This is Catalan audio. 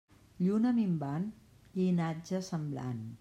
Lluna minvant, llinatge semblant.